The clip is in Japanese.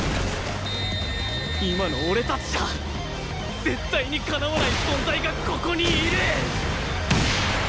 今の俺たちじゃ絶対にかなわない存在がここにいる！